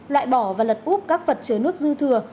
loại bỏ và lật úp các vật chứa nước dư thừa